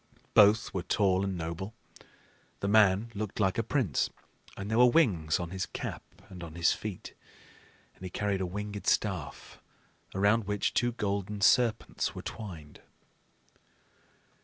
Both were tall and noble. The man looked like a prince; and there were wings on his cap and on his feet, and he carried a winged staff, around which two golden serpents were twined.